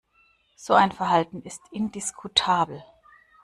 So ein Verhalten ist indiskutabel.